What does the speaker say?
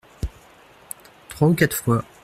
Trois ou quatre fois.